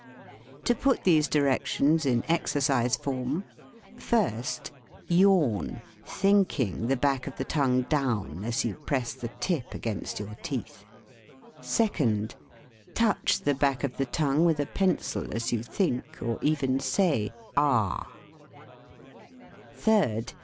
To put these directions in exercise form : First. Yawn, thinking, the back of the t0ngue down, as you press the tip against \ jyour teeth. *\/ Second. Touch the back of the tongue with a pencil as you think, or even say, ah. Third.